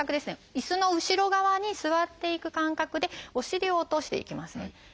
いすの後ろ側に座っていく感覚でお尻を落としていきますね。